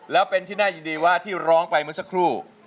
แล้วเป็นที่น่ายินดีว่าที่ร้องไปเมื่อสักครู่